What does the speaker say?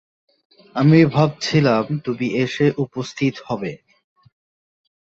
আমি ভাবছিলাম তুমি এসে উপস্থিত হবে।